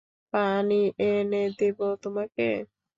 পানি এনে দিবো তোমাকে?